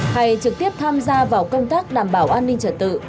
hay trực tiếp tham gia vào công tác đảm bảo an ninh trật tự